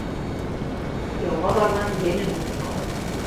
Яуға барған йәнен онотҡан.